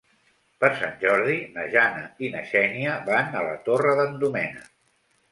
Per Sant Jordi na Jana i na Xènia van a la Torre d'en Doménec.